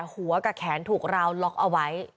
หัวกับแขนถูกราวล็อกเอาไว้